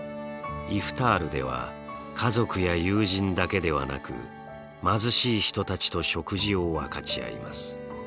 イフタールでは家族や友人だけではなく貧しい人たちと食事を分かち合います。